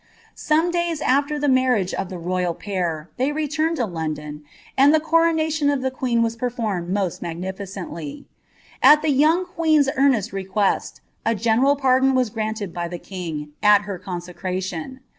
Some days ai\er the marriage of the loyal pair, they nmetl to London, and the coronation of the queen waa performed M magnilicenily. At the young queen's earnest request, a general ■don was granted by the king, at her consecration."'